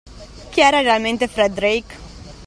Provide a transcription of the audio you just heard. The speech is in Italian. Chi era realmente Fred Drake?